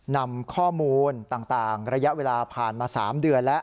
นำข้อมูลต่างระยะเวลาผ่านมา๓เดือนแล้ว